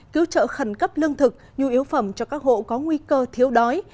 cứu trợ khẩn cấp lương thực nhu yếu phẩm cho các hộ có nguy cơ thiếu đói